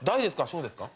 小ですか？